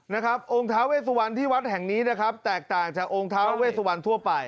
นะครับองค์ท้าเวสวันที่วัดแห่งนี้นะครับแตกต่างจากองค์ท้าเวสวันทั่วไป